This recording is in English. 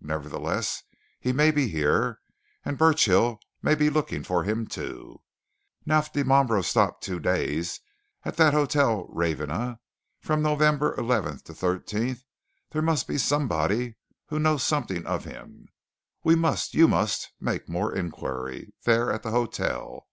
"Nevertheless, he may be here. And Burchill may be looking for him, too. Now, if Dimambro stopped two days at that Hotel Ravenna, from November 11th to 13th, there must be somebody who knows something of him. We must you must make more inquiry there at the hotel.